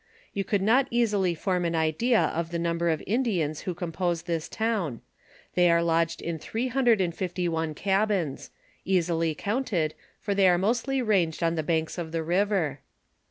You could not easily form an idea of the number of Indians who compose this town ; they are lodged in three hundred and fifty one cabins, easily counted, for they are mostly ranged on the banks of the river.